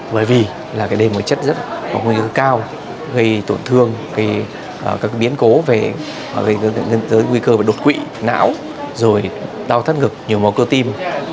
bởi vì đề mối chất rất cao gây tổn thương các biến cố gây nguy cơ đột quỵ não đau thắt ngực nhiều mong cơ tim